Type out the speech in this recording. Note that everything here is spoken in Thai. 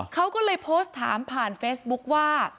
เขาก็เลยโพสต์ถามผ่านเฟซบุ๊คว่า